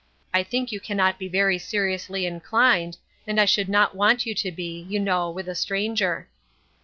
" I think you cannot be very seri ously inclined, and I should not want you to be, you know, with a stranger."